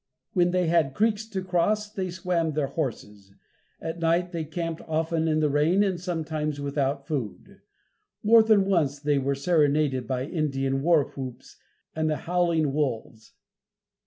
When they had creeks to cross they swam their horses. At night they camped, often in the rain and sometimes without food. More than once they were serenaded by Indian war whoops and the howling wolves.